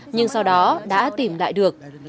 nhưng sau đó đã tìm lại được